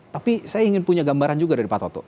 tapi saya ingin punya gambaran juga dari pak toto